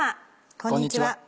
こんにちは。